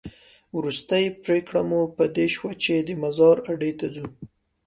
وروستۍ پرېکړه مو په دې شوه چې د مزار اډې ته ځو.